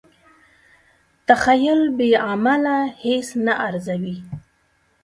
تخیل بې عمله هیڅ نه ارزوي.